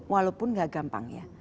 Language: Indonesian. walaupun tidak gampang ya